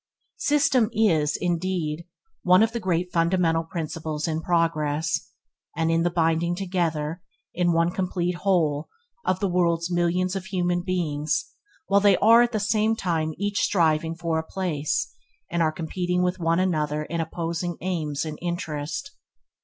System is, indeed, one of the great fundamental principles in progress, and in the binding together, in one complete whole, of the world's millions of human beings while they are at the same time each striving for a place and are competing with one another in opposing aims and interest.